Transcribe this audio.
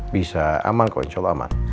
bisa aman kok insya allah aman